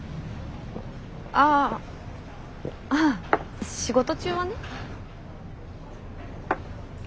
ああ仕事中はね。